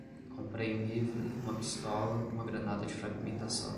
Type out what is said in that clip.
Comprei um rifle, uma pistola, uma granada de fragmentação